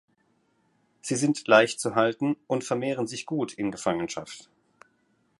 Sie sind leicht zu halten und vermehren sich gut in Gefangenschaft.